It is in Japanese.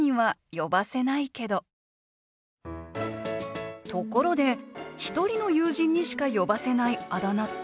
ところで１人の友人にしか呼ばせないあだ名って？